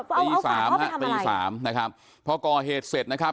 เอาเอาฝาเอาไปทำอะไรปีสามนะครับพอก่อเหตุเสร็จนะครับ